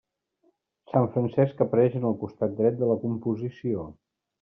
Sant Francesc apareix en el costat dret de la composició.